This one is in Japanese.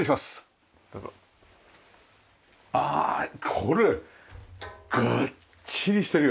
これがっちりしてるよ。